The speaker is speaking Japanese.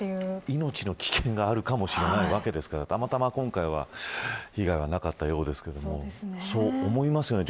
命の危険があるかもしれないわけですからたまたま今回は被害がなかったようですがそう思いますよね